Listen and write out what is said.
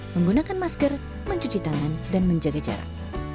menggunakan masker mencuci tangan dan menjaga jarak